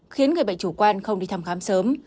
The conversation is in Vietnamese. khiến người bệnh chủ quan không đi thăm khám sớm